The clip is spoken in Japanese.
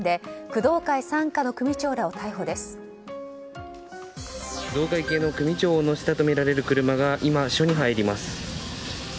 工藤会系の組長を乗せたとみられる車が今、署に入ります。